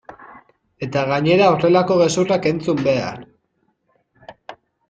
Eta gainera horrelako gezurrak entzun behar!